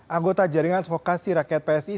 anggota jaringan fokasi rakyat psi